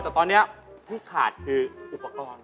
แต่ตอนนี้ที่ขาดคืออุปกรณ์